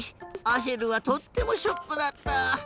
アシェルはとってもショックだった。